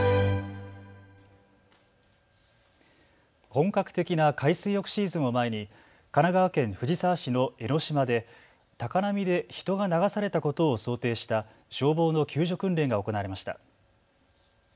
本格的な海水浴シーズンを前に神奈川県藤沢市の江の島で高波で人が流されたことを想定した消防の救助訓練が行われました。